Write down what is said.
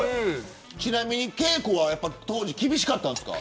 ちなみに稽古は当時厳しかったんですか。